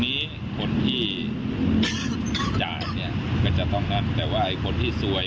คิดแบบชาวบ้านเนี่ย